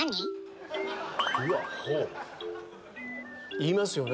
言いますよね。